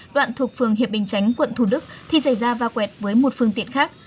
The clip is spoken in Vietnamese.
đoạn thuộc phường hiệp bình chánh quận thủ đức thì xảy ra va quẹt với một phương tiện khác